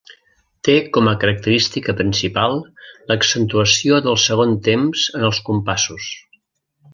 Té com a característica principal l'accentuació del segon temps en els compassos.